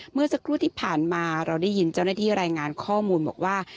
เมื่อสักครู่ที่ผ่านมาเราได้ยินเจ้าหน้าที่รายงานข้อมูลบอกว่า